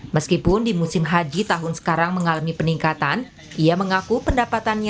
meskipun di musim haji tahun sekarang mengalami peningkatan